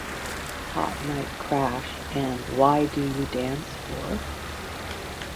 "Hot Night Crash" and "Who Do You Dance For?